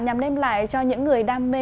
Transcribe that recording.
nhằm đem lại cho những người đam mê